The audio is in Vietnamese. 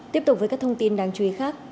tiếp tục với các thông tin đáng chú ý khác